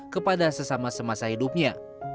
kepada sesama semasa hidupnya